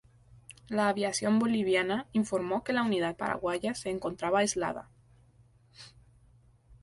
La aviación boliviana informó que la unidad paraguaya se encontraba aislada.